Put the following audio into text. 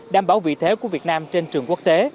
đảm bảo vị thế của việt nam trên trường quốc tế